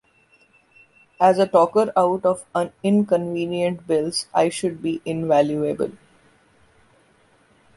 As a talker-out of inconvenient bills I should be invaluable.